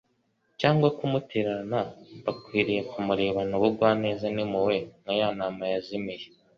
cyangwa kumutererana bakwiriye kumurebana ubugwaneza n'impuhwe nka ya ntama yazimiye;